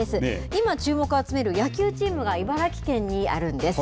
今、注目を集める野球チームが、茨城県にあるんです。